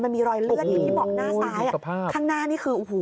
มันมีรอยเลือดอยู่ที่เบาะหน้าซ้ายข้างหน้านี่คือโอ้โห